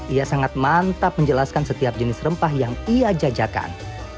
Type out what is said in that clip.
ia sangat mantap menjelaskan setiap jenis rempah yang ia jajakan